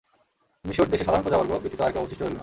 মিসর দেশে সাধারণ প্রজাবর্গ ব্যতীত আর কেউ অবশিষ্ট রইল না।